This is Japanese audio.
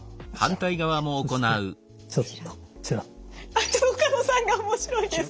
あっ岡野さんが面白いです！